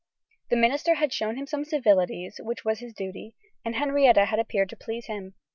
The minister had shown him some civilities, which was his duty; and Henrietta had appeared to please him.